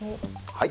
はい。